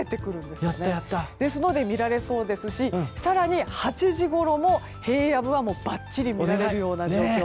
ですので見られそうですし更に８時ごろも平野部はばっちり見られる状況。